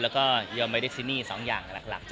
แล้วก็เยอร์เมดิสซินี๒อย่างหลัก